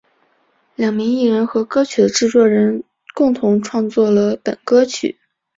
两名艺人和歌曲的制作人共同创作了本歌曲。